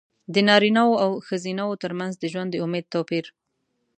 د نارینه وو او ښځینه وو ترمنځ د ژوند د امید توپیر.